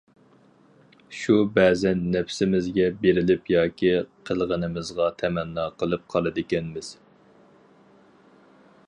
شۇ بەزەن نەپسىمىزگە بېرىلىپ ياكى قىلغىنىمىزغا تەمەننا قىلىپ قالىدىكەنمىز.